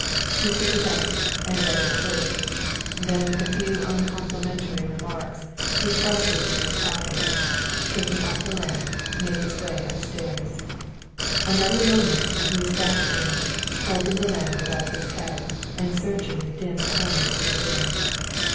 He took it up and read it through, then with a few uncomplimentary remarks he thrust it into his pocket and, taking up the lamp, made his way up stairs. Another moment and he was back again, holding the lamp above his head and searching the dim corners of the room.